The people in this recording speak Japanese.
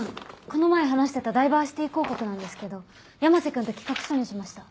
この前話してたダイバーシティ広告なんですけど山瀬君と企画書にしました。